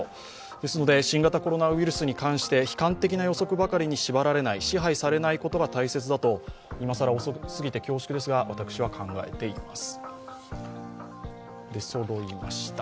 ですので、新型コロナウイルスに関して悲観的な予測ばかりに縛られない、支配されないことが大切だと今更、遅すぎて恐縮ですが私は考えています。